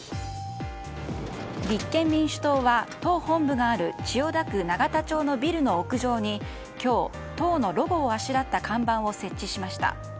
立憲民主党は党本部がある千代田区永田町のビルの屋上に今日、党のロゴをあしらった看板を設置しました。